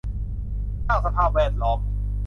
สร้างสภาพแวดล้อม